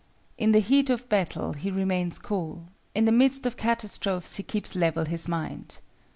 In the heat of battle he remains cool; in the midst of catastrophes he keeps level his mind.